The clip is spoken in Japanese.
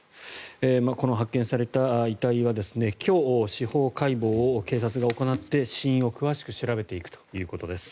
この発見された遺体は今日、司法解剖を警察が行って死因を詳しく調べていくということです。